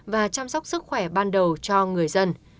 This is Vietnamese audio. và chăm sóc sức khỏe ban đầu cho người dân